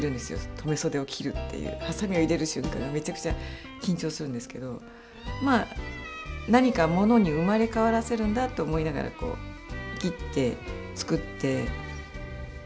留め袖を切るっていうはさみを入れる瞬間はめちゃくちゃ緊張するんですけどまあ何かものに生まれ変わらせるんだと思いながら切って作って。